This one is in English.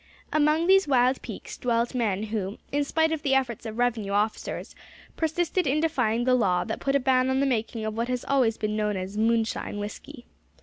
Among these wild peaks dwelt men who, in spite of the efforts of revenue officers, persisted in defying the law that put a ban on the making of what has always been known as "moonshine" whiskey.